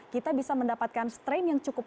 kita bisa mendapatkan strain yang cukup